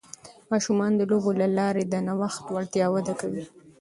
ماشومان د لوبو له لارې د نوښت وړتیا وده کوي.